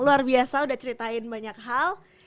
luar biasa udah ceritain banyak hal